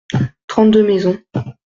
Trente-deux maisons.